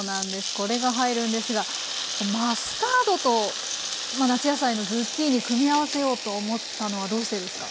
これが入るんですがマスタードと夏野菜のズッキーニ組み合わせようと思ったのはどうしてですか？